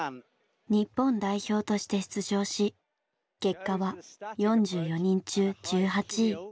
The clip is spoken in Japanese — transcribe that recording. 日本代表として出場し結果は４４人中１８位。